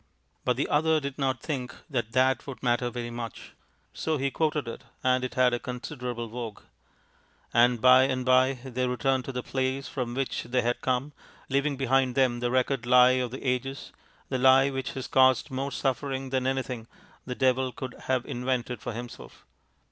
But the other did not think that that would matter very much. So he quoted it, and it had a considerable vogue... and by and by they returned to the place from which they had come, leaving behind them the record of the ages, the lie which has caused more suffering than anything the Devil could have invented for himself.